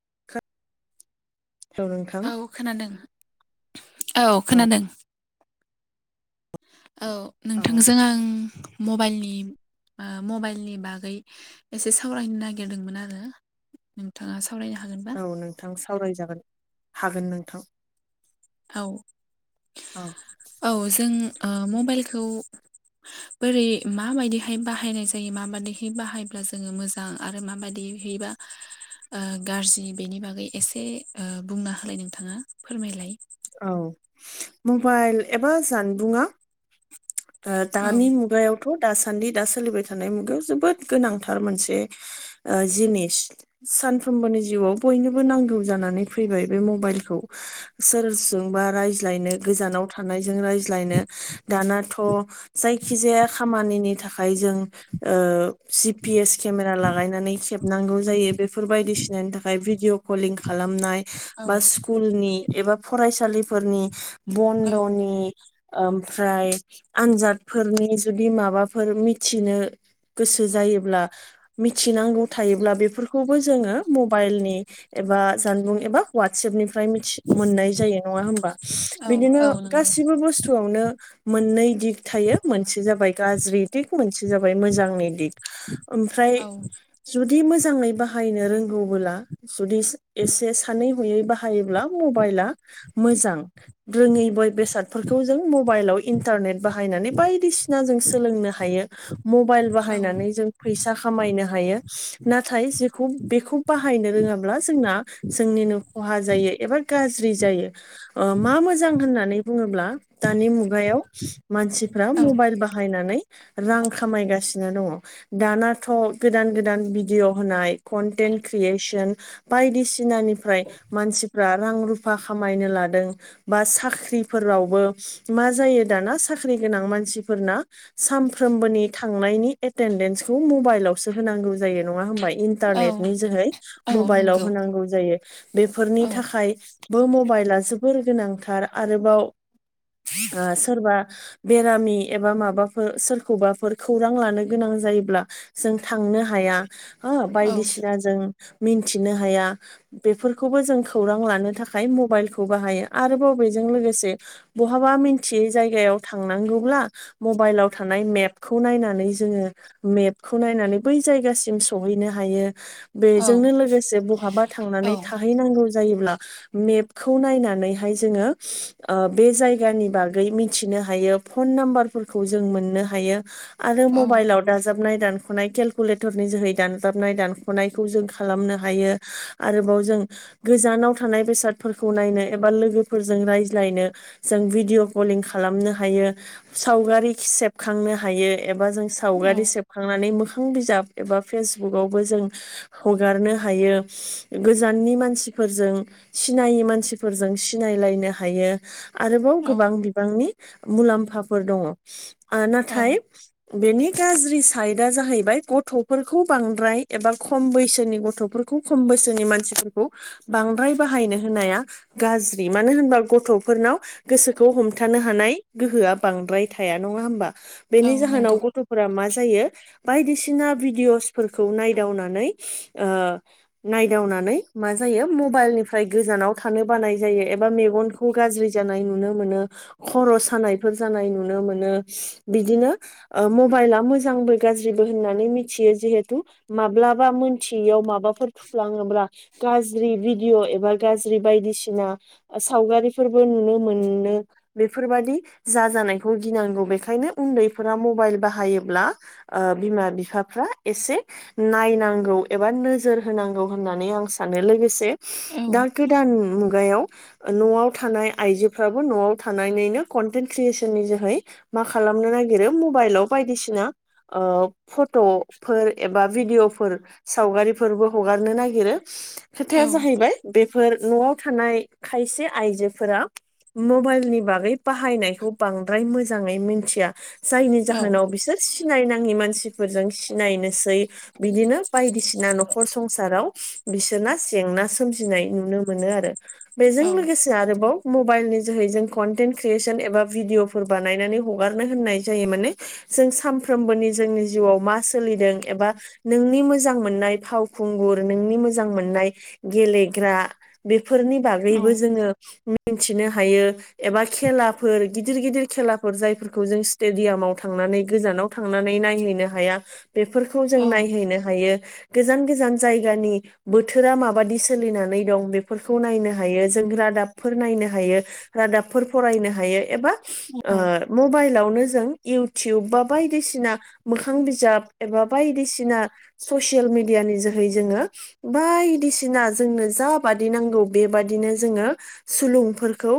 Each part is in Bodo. [unintelligible] औ खोनादों। औ खोनादों। औ नोंथांजों आं मबाइलनि मबाइलनि बागै एसे सावरायनो नागिरदोंमोन आरो नोंथाङा सावरायनो हागोनबा? औ नोंथां सावरायजागोन हागोन नोंथां। औ औ औ जों मबाइलखौ बोरै माबायदिहाय बाहायनाय जायो माबायदिहाय बाहायब्ला जोङो मोजां आरो माबायदि हैबा गाज्रि बेनि बागै एसे बुंना होलाय नोंथाङा फोरमायलाय औ मबाइल एबा जानबुङा औ दानि मुगायाव थ' दासान्दि दा सोलिबाय थानाय मुगायाव जोबोद गोनांथार मोनसे जिनिस सानफ्रोमबोनि जिउआव बयनोबो नांगौ जानानै फैबाय बे मबाइलखौ सोरजोंबा रायज्लायनो गोजानाव थानायजों रायज्लायनो दानाथ' जाय खि जाया खामानिनि थाखाय जों जि पि एस केमेरा लागायनानै खेबनांगौ जायो बेफोर बायदिसिनानि थाखाय भिडिअ' कलिं खालामनाय औ बा स्कुलनि एबा फरायसालि फोरनि औ बन्द'नि ओमफ्राय आनजादफोरनि जुदि माबाफोर मिथिनो गोसो जायोब्ला मिथिनांगौ थायोब्ला। बेफोरखौबो जोङो मबाइलनि एबा जानबुं एबा वाटसेएपनिफ्राय मिथि मोननाय जायो नङा हबा औ बिदिनो औ नंगौ गासिबो बुस्थुआवनो मोननै दिग थायो। मोनसे जाबाय गाज्रि दिग मोनसे जाबाय मोजांनि दिग ओमफ्राय औ जुदि मोजाङै बाहायनो रो गौबोला जुदि एसे सानै हयै बाहायोब्ला मबाइला मोजां रोङै बाय बेसादफोरखौ जों मबाइलाव इन्टारनेट बाहायनानै बायदिसिना जों सोलोंनो हायो मबाइल औ बाहायनानै जों फैसा खामायनो हायो। नाथाय बे बेखौ बाहायनो रोङाब्ला जोंना जोंनिनो खहा जायो एबा गाज्रि जायो। मा मोजां होननानै बुङोब्ला दानि मुगायाव मानसिफ्रा औ मबाइल बाह हायनानै रां खामायगासिनो दङ दानाथ' गोदान गोदान भिडिअ' होनाय कनटेन्ट क्रियेसन बायदिसिनानिफ्राय मोनसे रां रुफा खामायनो लादों बा साख्रिफोरावबो मा जायो दाना साख्रि गोनां मानसिफोरना सानफ्रनि थांनायनि एटेनडेन्सखौ मबाइलावसो होनांगौ जायो नङा होमबा औ इन्टारनेटनि जोहै औ मबाइलाव नंगौ होनांगौ जायो बेफोरनि औ थाखाय बो मबाइला जोबोर गोनांथार आरोबाव सोरबा बेरामि एबा माबाफोर सोरखौबाफोर खौरां लानो गोनां जायोब्ला जों थां नो हाया। हो औ बायदिसिना जों मिन्थिनो हाया बेफोरखौबो जों खौरां लानो थाखाय मबाइलखौ बाहायो आरो बबेजों लोगोसे बहाबा मिथियै जायगायाव थांनांगौ खौब्ला मबाइलाव थानाय मेपखौ नायनानै जों मेपखौ नायनानै बै जायगासिम सहैनो हायो बेजोंनो औ लोगोसे बहाबा औ थांनानै थाहैनांगौ जायोब्ला मेपखौ नायनानैहाय जोङो बे जायगानि बागै मिथिनो हायो फन नामबार जों मोननो हायो आरो औ मबाइलाव दाबनाय दानखनाय केकुलेटनि जोहै दानजाबनाय दानखनायखौ जों खालामनो हायो आरोबाव जों गोजानाव थानाय बेसादफोरखौ नायनो एबा लोगोफोरजों रायज्लायनो जों भिडिअ' कलिं खालामनो हायो। सावगारि सेबखांनो हायो एबा जों सावगारि औ सेबखांनानै मोखां बिजाब एबा फेसबुकावबो जों हगारनो हायो गोजाननि मानसि फोरजों सिनायै मानसिफोरजों सिनायलायनो हायो आरोबाव औ गोबां बिबांनि मुलाम्फाफोर दङ नाथाय औ बेनि गाज्रि साइदआ जाहैबाय गथ'फोरखौ बांद्राय एबा खम बैसोनि गथ'फोर खौ बोसोरनि मानसि बांद्राय बाहायनो होनाया गाज्रि मानो होनोबा गथ'फोरनाव गोसोखौ हमथानो हानाय गोहोआ बांद्राय थाया नङा होमबा औ बेनि जाहोनाव नंगौ गथ'फोरा मा जायो बायदिसिना भिडअसफोरखौ नायदावनानै ओ नायदावना नानै मा जायो मबाइलनि फ्राव गोजानाव थानो बानाय जायो एबा मेगनखौ गाज्रि जानाय नुनो मोनो खर सानाय जानाय नुनो मोनो बिदिनो मबाइला मोजांबो गाज्रिबो होननानै मिथियो जेहेथु माब्लाबा मिथियैआव माबाफोर थुफ्लाङोब्ला गाज्रि भिडअ गाज्रि बायदिसिना सावगारि नुनोफोर बादि जा जानायखौ गिनांगौ बेखायनो उन्दैफोरा मबाइल बाहायोब्ला बिमा बिफाफ्रा एसे नायनांगौ एबा नोजोर होनांगौ होननानै आं सानो लोगोसे औ दा गोदान मु गायाव न'आव थानाय आइजोफ्राबो न'आव थानानैनो कनटेन्ट क्रियेसननि जोहै मा खालामनो नागिरो मबाइलाव बायदिसिना ओ फट'फोर एबा भिडिअ'फोर सावगारिफोरबो हगारनो नागिरो। औ खोथाया जाहैबाय बेफोर न'आव थानाय खायसे आयजोफोरा मबाइलनि बागै बाहायनायखौ बांद्राय मोजाङै मिथिया जायनि औ जाहोनाव बिसोर सिनायनाङि मानसिफोरजों सिनायनोसै बिदिनो बायदिसिना न'खर संसाराव बिसोरना जेंना सो सोमजिनाय नुनो मोनो आरो औ बेजों लोगोसे आरोबाव मबाइलनि जोहै जों कनटेन्ट क्रियेसन एबा भिडिअफोर बानायनानै हगारनो होननाय जायो माने जों सानफ्रोमबोनि जोंनि जिउआव मा सोलिदों एबा नोंनि मोजां मोननाय फावखुं गुर नोंनि मोजां मोननाय गेलेग्रा बेफोरनि औ बागै जोङो मि मिथिनो हायो एबा खेलाफोर गिदिर गिदिर खेलाफोर जायफोरखौ जों स्टेडियामाव थां नानै गोजानाव थांनानै नायहैनो हाया। बेफोरखौ औ जों नायहैनो हायो गोजान गोजान जायगानि बोथोरा मा बादि सोलिनानै दं बेफोरखौ नायनो हायो जों रादाबफोर नायनो हायो रादाबफोर फराय नो हायो एबा ओ मबाइलाव नो जों इयथुब बा बायदिसिना मोखां बिजाब एबा बायदिसिना ससेल ससेल मेडियानि जोहै जोङो बायदि सिना जोंनो जा बादि नांगौ बेबादिनो जोङो सुलुंफोरखौ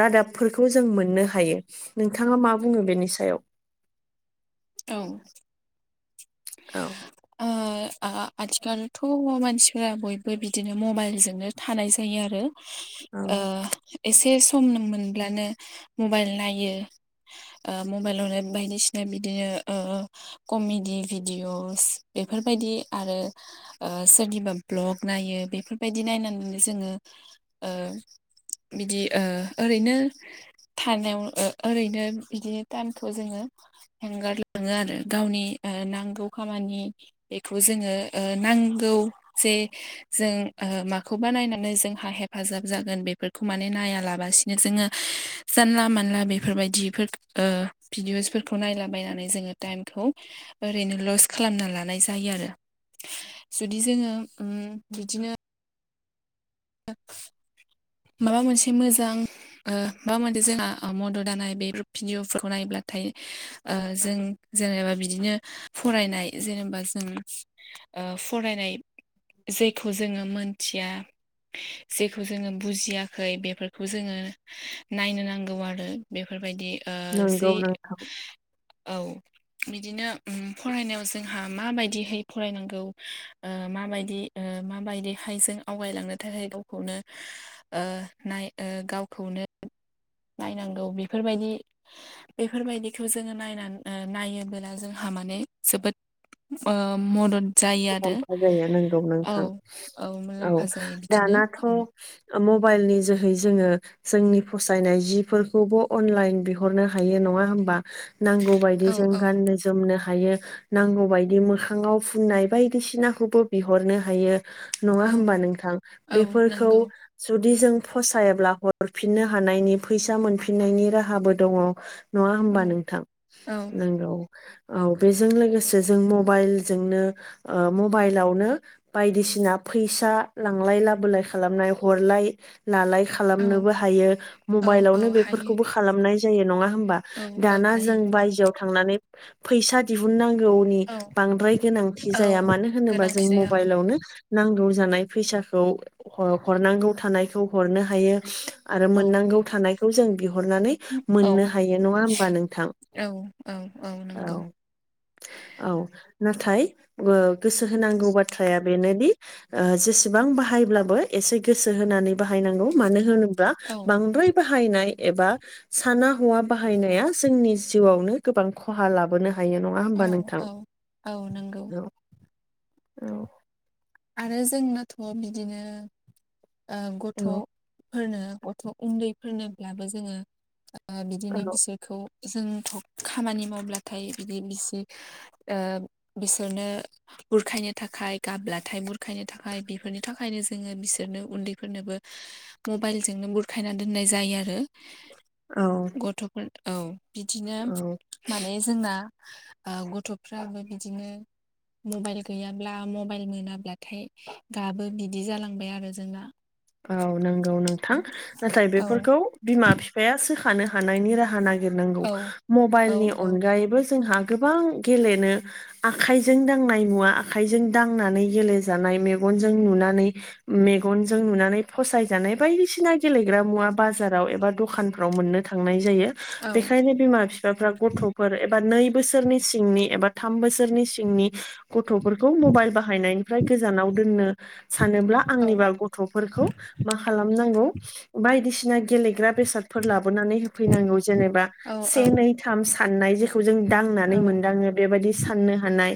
रादाब। जों मोननो हायो नोंथांङा मा बुंङो बेनि सायाव। औ औ। ओ आथिखालथ' मानसिफोरा बयबो बिदिनो मबाइलजोंनो थानाय जायो। आरो औ एसे सम मोनब्लानो मबाइल नायो मबाइलावनो बायदिसिना बिदिनो कमेडि भिडिअ'स बेफोरबायदि आरो सोरनिबा भ्लग नायो बेफोरबायदि नायनानैनो जोंङो। बिदि ओरैनो थानायाव ओरैनो बिदिनो टानखौ जोंङो। हेंगारलांङो आरो गावनि नांगौ खामानि बेखौ जोंङो नांगौ जे जों माखौ बानायनानै जों् हेफाजाब जागोन बेफोरखौ माने नायालासिनो जोंङो जानला मानला बेफोरबायदि भिदि असफोरखौ नायलाबायनानै जोंङो टाइमखौ ओरैनो लस खालामना ला। जायो आरो जुदि जोंङो बिदिनो। [unintelligible] माबा मोनसे मोजां माबा मोनसे जोंहा मददानाय बे भिडिअफोरखौ नायोब्ला। नाथाय जेनेबा जों बिदिनो फरायनाय जेनेबा जों फरायनाय जेखौ जोंङो मोनथिया [inaudible] जेखौ जोंङो बुजियाखै बेफोरखौ जोंङो नायनो नांगौ आरो बेफोरबायदि नंगौ नोंथां औ। बिदिनो फरायनायाव जोंहा माबायदिहै फरायनांगौ माबायदि। माबायदि हायजों आवगायलांनो [unintelligible] थाखाय गावखौनो नाय गावखौनो। नायनांगौ बेफोरबायदि बेफोरबायदिखौ जोंङो नायनानै नायोबोला जोंहा। जोबोद मदद। जायो आरो मुलाम्फा जाया नांगौ औ नोंथां औ मुलाम्फा जायो बिदिनो दानाथ' उम मबाइल नि जोहै जोंङो जोंनि फसायनाय जिफोरखौबो अनलाइन बिहरनो हायो नंङा नंङा होमबा? नांगौ बायदि औ जों औ गाननो जोमनो हायो नांगौबायायदि मोखाङाव फुननाय। बायदिसिनाखौबो बिहरनो हायो नंङा औ हबा नोंथां औ बेफोरखौ नंगौ जुदि जों फसायब्ला हरफिननो हानायनि फैसा मोनफिननायनि राहाबो दंङो। नङा औ होमबा नोंथां औ नांगौ। औ बेजों लोगोसे जों मबाइलजोंनो मबाइलावनो बायदिसिना फैसा लांलाय लाबोलाय खालामनाय हरलाय। लालाय औ खालामनोबो हायो औ औ मबाइलावनो हायो बेफोरखौबो खालामनाय जायो नंङा। हा औ औ दाना हायो जों बायजोआव थांनानै फैसा दिहुननांगौ। औ नांगौनि औ जाया मानो होनोबा जों गोनांथि जाया औ मबाइलावनो। नांग जानाय फैसाखौ हरनांगौ थानायखौ हरनो हायो। आरो औ मोननांगौ थानायखौ जों। बिहरनानै औ मोननो हायो नंङा होमबा नोंथां औ औ औ। नंगौ औ नाथाय। गोसो होनांगौ बाथ्राया बेनोदि जेसेबां बाहायब्लाबो एसे गोसो होनांगौ। नाने बाहाय नांगौ मानो होनोबा औ बांद्राय बा हायनाय एबा साना हौवा बाहायनाया जोंनि जिउआवनो गोबां खहा लाबोनो हायो नंङा औ होमबा नोंथां औ औ नंगौ औ औ आरो जोंनाथ' बिदिनो ओ गथ' औ फोरनो गथ' उन्दैफोरनोब्लाबो जोंङो ओ बिदिनो औ बिसोरखौ जों खामानि मावब्लाथाय बिदि बिसि ओ बिसोरनो बुरखायनो थाखाय गाबब्ला थाय बुरखायनो थाखाय बेफोरनि थाखायनो जोङो बिसोरनो उन्दैफोरनोबो मबाइल जोंनो बुरखायना ना दोननाय जायो आरो औ गथ'फोर औ बिदिनो औ माने जोंना आ गथ'फ्राबो बिदिनो मबाइल गैयाब्ला मबाइल मोना ब्लाथाय गाबो बिदि जालांबाय आरो जोंना औ नंगौ नोंथां नाथाय औ बेफोरखौ बिमा बिफायासो थानो हानायनि राहा नागिरनांगौ औ औ मबाइलनि औ अनगायैबो जोंहा गोबां गेलेनो आखाइजों दांनाय मुवा आखाइजों दांनानै गेलेजानाय मेग गनजों नुनानै मेगनजों नुना नै फसायजानाय बायदिसिना गेलेग्रा मुवा बाजाराव एबा दखानफ्राव मोननो थांनाय जायो औ बेखायनो बिमा बिफाफ्रा गथ'फोर एबा नै बोसोरनि सिंनि एबा थाम बोसोरनि सिंनि गथ'फोरखौ मबाइल बाहायनाय फ्राय गोजानाव दोननो सानोब्ला औ आंनिब्ला गथ' फोरखौ मा खालामनांगौ बायदिसिना गेलेग्रा बेसादफोर लाबोनानै होफैनांगौ जेनेबा से नै थाम साननाय जेखौ खौ जों दांनानै औ मोनदाङो बेबायदि साननो हानाय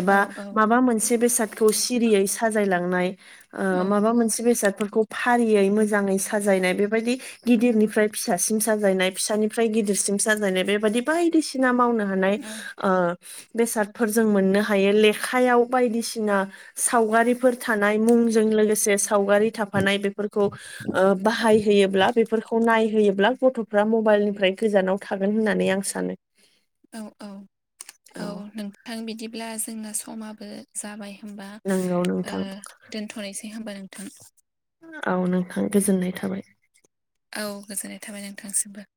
एबा औ माबा मोनसे बेसाद खौ सिरियै साजायलांनाय ओ औ माबा मोनस बेसादफोरखौ फारियै मोजाङै साजायनाय बेबायदि गिदिरनिफ्राय फिसासिम साजायनाय फिसानि फ्राय गिदिरसिम साजायनाय बेबायदि बायदिसिना मावनो हानाय औ ओ बेसादफोर जों मोननो हायो लेखायाव बायदिसिना सावगारिफोर थानाय मुं जों लोगोसे सावगारि थाफानाय बेफोरखौ ओ बाहाय होयोब्ला बेफोरखौ नाय होयोब्ला गथ'फ्रा मबाइलनिफ्राय गोजानाव थागोन होननानै आं सानो औ औ औ नोंथां बिदिब्ला जोंना समाबो जाबाय होमबा नंगौ ओ नोंथां दोनथ'नोसै होमबा नोंथां औ नोंथां गोजोननाय थाबाय औ गोजोननाय थाबाय नोंथांसिमबो